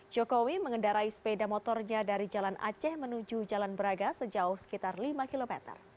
jokowi mengendarai sepeda motornya dari jalan aceh menuju jalan braga sejauh sekitar lima km